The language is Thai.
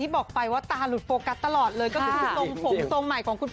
ที่ไหนบ้างมือสะอาดยังครับ